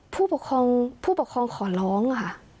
ผู้ปกครองขอร้องค่ะ